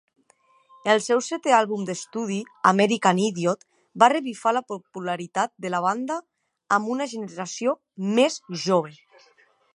El seu setè àlbum d'estudi "American Idiot" va revifar la popularitat de la banda amb una generació més jove.